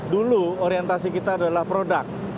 dulu orientasi kita adalah produk